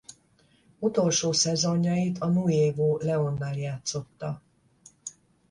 Utolsó szezonjait a Nuevo Leónnál játszotta.